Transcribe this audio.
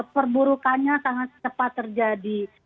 perburukannya sangat cepat terjadi